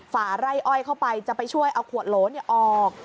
ฝ่าไร่อ้อยเข้าไปจะไปช่วยเอาขวดโหลออก